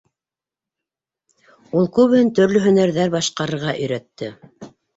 Ул күбеһен төрлө һөнәрҙәр башҡарырға өйрәтте.